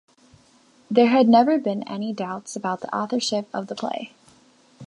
There had never been any doubts about the authorship of the play.